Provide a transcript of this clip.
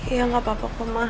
ya gapapa pemah